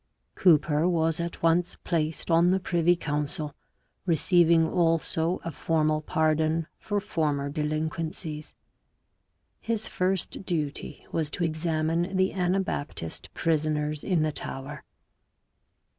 Cooper was at once placed on the privy council, receiving also a formal pardon for former delinquencies. His first duty was to examine the Anabaptist prisoners in the Tower.